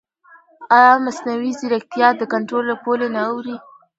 ایا مصنوعي ځیرکتیا د کنټرول له پولې نه اوړي؟